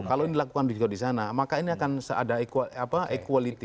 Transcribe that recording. kalau ini dilakukan juga di sana maka ini akan seada equality